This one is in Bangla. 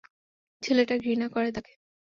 ছেলেটা ঘৃণা করে তাকে।